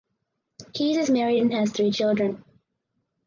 Keys is married and has three children.